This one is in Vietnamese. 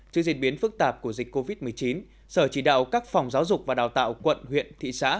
trước diễn biến phức tạp của dịch covid một mươi chín sở chỉ đạo các phòng giáo dục và đào tạo quận huyện thị xã